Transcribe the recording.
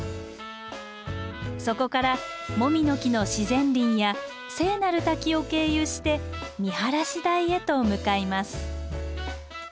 そこからモミの木の自然林や聖なる滝を経由して見晴台へと向かいます。